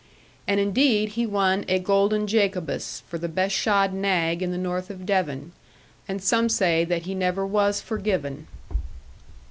And indeed he won a golden Jacobus for the best shod nag in the north of Devon, and some say that he never was forgiven.